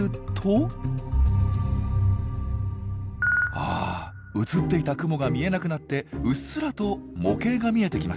あ映っていた雲が見えなくなってうっすらと模型が見えてきました。